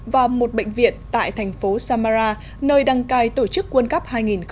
và một bệnh viện tại thành phố samara nơi đăng cài tổ chức quân cấp hai nghìn một mươi tám